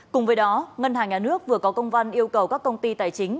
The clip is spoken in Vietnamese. cùng với đó ngân hàng nhà nước vừa có công văn yêu cầu các công ty tài chính